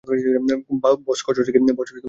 বস, করছ কী?